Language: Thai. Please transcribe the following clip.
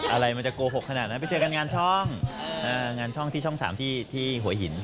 อะไรมันจะโกหกขนาดนั้นไปเจอกันงานช่องงานช่องที่ช่อง๓ที่หัวหิน